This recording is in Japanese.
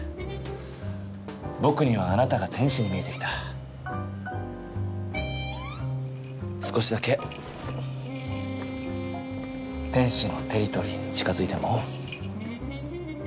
僕にはあなたが天使に見えてきた少しだけ天使のテリトリーに近づいても？